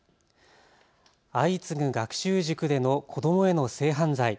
相次ぐ学習塾での子どもへの性犯罪。